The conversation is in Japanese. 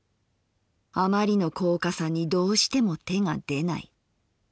あまりの高価さにどうしても手が出ない。